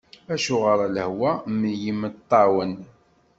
Acuɣer a lehwa mm yimeṭṭawen!